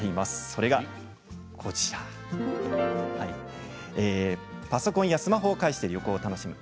それがパソコンやスマホを介して旅行を楽しむ